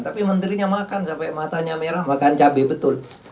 tapi menterinya makan sampai matanya merah makan cabai betul